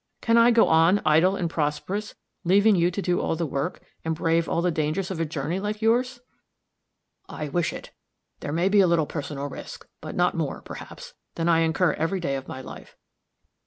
Can I go on, idle and prosperous, leaving you to do all the work, and brave all the dangers of a journey like yours?" "I wish it. There may be a little personal risk; but not more, perhaps, than I incur every day of my life.